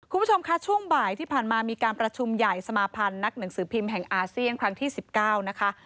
คุณผู้ชมค่ะช่วงบ่ายที่ผ่านมามีการประชุมใหญ่สมาพันธ์นักหนังสือพิมพ์แห่งอาเซียนครั้งที่๑๙นะคะ